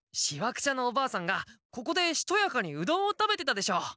シワくちゃのおばあさんがここでしとやかにうどんを食べてたでしょ。